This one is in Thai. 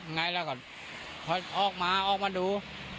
ไงล่ะก็ออกมาดู